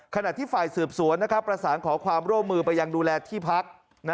ขณะที่ฝ่ายสืบสวนประสานขอความร่วมมือไปยังดูแลที่พัก